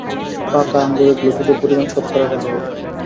পাকা আঙ্গুরে গ্লুকোজের পরিমাণ শতকরা কত ভাগ?